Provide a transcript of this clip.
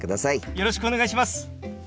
よろしくお願いします。